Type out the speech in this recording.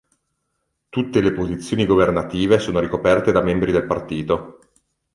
Tutte le posizioni governative sono ricoperte da membri del partito.